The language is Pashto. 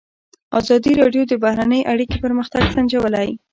ازادي راډیو د بهرنۍ اړیکې پرمختګ سنجولی.